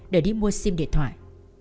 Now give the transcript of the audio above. để đi mua sim điện thoại